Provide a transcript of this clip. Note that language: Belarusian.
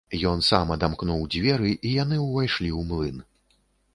Ён сам адамкнуў дзверы, і яны ўвайшлі ў млын.